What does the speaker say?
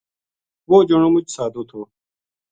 وہ جنو مُچ سادو تھو